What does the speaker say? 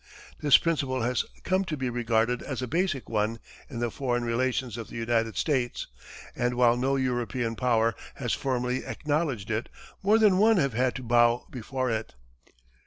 This principle has come to be regarded as a basic one in the foreign relations of the United States, and while no European power has formally acknowledged it, more than one have had to bow before it.